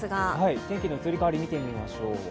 天気の移り変わり見てみましょう。